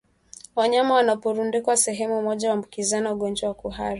Wanyama wanaporundikwa sehemu moja huambukizana ugonjwa wa kuhara